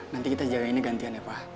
nanti kita jagainnya gantian ya pak